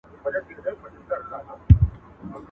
o اورۍ او نوک نه سره جلا کېږي.